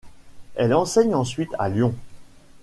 Elle enseigne ensuite à Lyon.